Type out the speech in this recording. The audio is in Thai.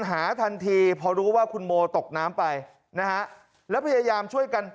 ทันทีพอรู้ว่าคุณโมตกน้ำไปนะฮะแล้วพยายามช่วยกัน